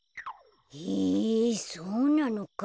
へえそうなのか。